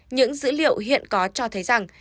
những dữ liệu hiện có cho thấy rằng